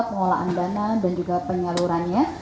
pengelolaan dana dan juga penyalurannya